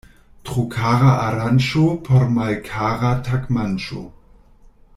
Tro kara aranĝo por malkara tagmanĝo.